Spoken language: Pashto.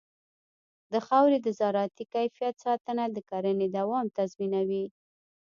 د خاورې د زراعتي کیفیت ساتنه د کرنې دوام تضمینوي.